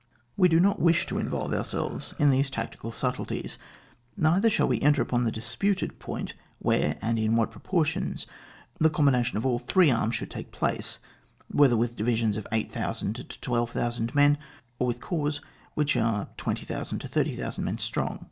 We do not wish to involve ourselves in these tactical subtilties, neither shall we enter upon the disputed point, where and in what proportions the combination of all three arms should take place, whether with divisions of 8,000 to 12,000 men, or with corps which are 20,000 to 80,000 men strong.